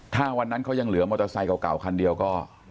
ถ้าวันนั้นเขายังเหลือมอเตอร์ไซค์เก่าคันเดียวก็